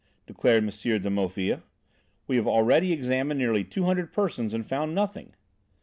declared M. de Maufil. "We have already examined nearly two hundred persons and found nothing."